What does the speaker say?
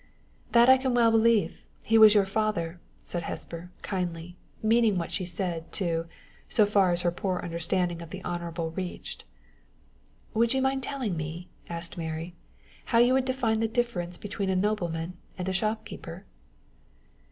"That I can well believe he was your father," said Hesper, kindly, meaning what she said, too, so far as her poor understanding of the honorable reached. "Would you mind telling me," asked Mary, "how you would define the difference between a nobleman and a shopkeeper?"